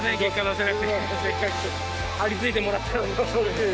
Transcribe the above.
せっかく張り付いてもらったのに。